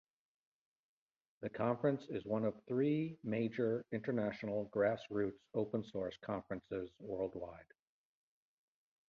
The conference is one of three major, international, grass-roots open-source conferences worldwide.